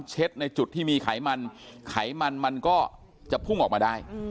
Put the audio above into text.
ในจุดที่มีไขมันไขมันมันก็จะพุ่งออกมาได้